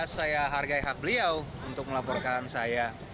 saya hargai hak beliau untuk melaporkan saya